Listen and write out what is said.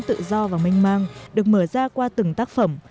to và mênh mang được mở ra qua từng tác phẩm